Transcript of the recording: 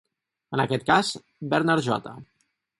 En aquest cas, Bernard J.